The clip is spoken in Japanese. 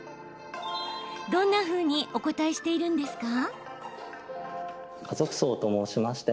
どんなふうにお答えしているんですか？